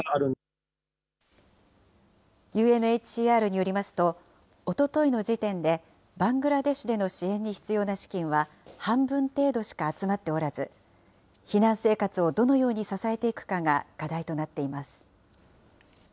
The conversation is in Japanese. ＵＮＨＣＲによりますと、おとといの時点で、バングラデシュでの支援に必要な資金は、半分程度しか集まっておらず、避難生活をどのように支えていくかが課題となっています。